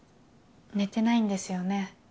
寝てないんですよね？